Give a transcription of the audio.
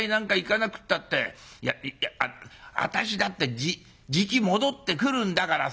いや私だってじき戻ってくるんだからさ。